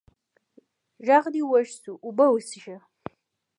ږغ دي وچ سو، اوبه وڅيښه!